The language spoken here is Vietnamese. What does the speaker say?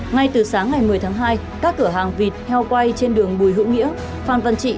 ngay từ sáng ngày một mươi tháng hai các cửa hàng vịt heo quay trên đường bùi hữu nghĩa phan văn trị